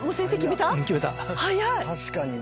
早い！